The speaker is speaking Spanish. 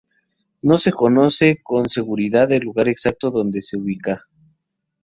No se conoce con seguridad el lugar exacto donde se ubicaba.